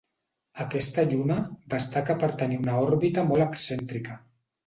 Aquesta lluna destaca per tenir una òrbita molt excèntrica.